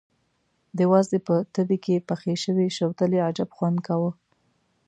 د وازدې په تبي کې پخې شوې شوتلې عجب خوند کاوه.